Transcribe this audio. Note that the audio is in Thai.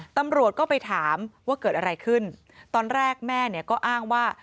ตำรวจก็ไปถามว่าเกิดอะไรขึ้นตอนแรกแม่เนี่ยก็อ้างว่า